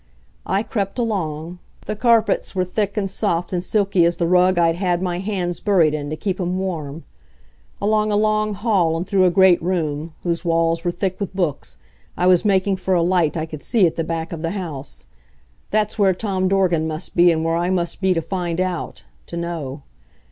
I crept along the carpets were thick and soft and silky as the rug I'd had my hands buried in to keep 'em warm. Along a long hall and through a great room, whose walls were thick with books, I was making for a light I could see at the back of the house. That's where Tom Dorgan must be and where I must be to find out to know.